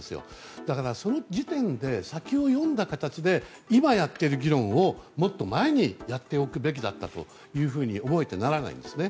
だから、その時点で先を読んだ形で今やっている議論をもっと前にやっておくべきだったというふうに思えてならないんですね。